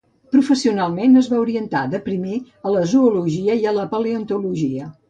Professionalment es va orientar de primer a la zoologia i la paleontologia.